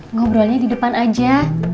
ngobrolnya di depan aja